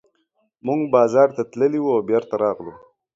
موږ بازار ته تللي وو او بېرته راغلو.